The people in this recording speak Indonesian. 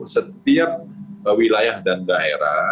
setiap wilayah dan daerah